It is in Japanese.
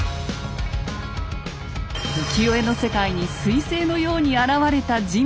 浮世絵の世界にすい星のように現れた人物。